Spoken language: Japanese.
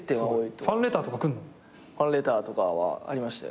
ファンレターとかはありましたよ。